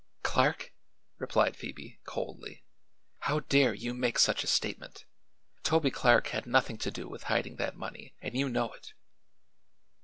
"Clark?" replied Phoebe, coldly. "How dare you make such a statement? Toby Clark had nothing to do with hiding that money, and you know it."